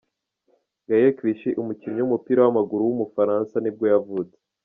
Gaël Clichy, umukinnyi w’umupira w’amaguru w’umufaransa nibwo yavutse.